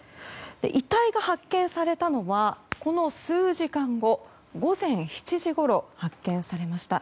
遺体が発見されたのはこの数時間後午前７時ごろ発見されました。